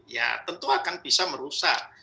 ya tentu akan bisa merusak